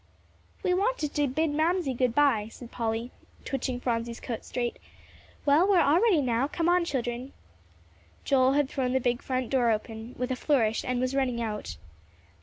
"We wanted to bid Mamsie good by," said Polly, twitching Phronsie's coat straight. "Well, we're all ready now; come on, children." Joel had thrown the big front door open with a flourish and was rushing out.